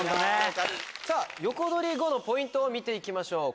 さぁ横取り後のポイントを見て行きましょう。